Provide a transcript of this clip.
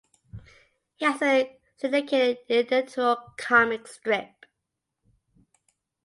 He has a syndicated editorial comic strip.